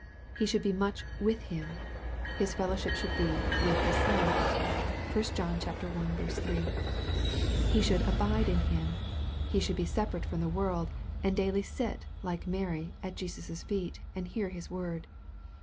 He should be much " with Him." His fellowship should be " with the Son." (1 John i. 3.) He should abide in Him. He should be separate from the world, and daily sit, like Mary, at Jesus' feet, and hear His word.